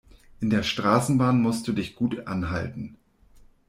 In der Straßenbahn musst du dich gut anhalten.